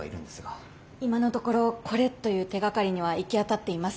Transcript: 今のところこれという手がかりには行き当たっていません。